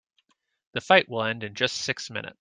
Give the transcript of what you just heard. The fight will end in just six minutes.